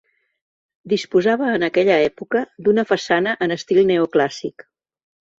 Disposava en aquella època d'una façana en estil neoclàssic.